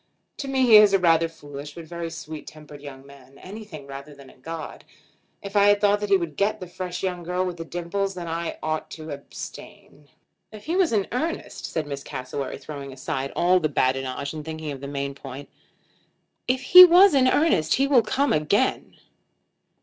To me he is a rather foolish, but very, very sweet tempered young man; anything rather than a god. If I thought that he would get the fresh young girl with the dimples then I ought to abstain." "If he was in earnest," said Miss Cassewary, throwing aside all this badinage and thinking of the main point, "if he was in earnest he will come again."